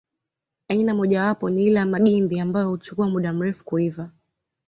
Aina mojawapo ni ile ya magimbi ambayo huchukua muda mrefu kuiva